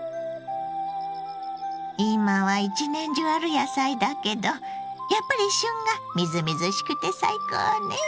今は一年中ある野菜だけどやっぱり旬がみずみずしくて最高ね！